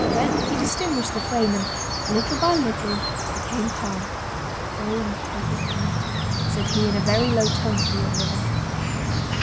Then he distinguished the frame, and little by little became calm. "Go and take it down," said he in a very low tone to the young woman.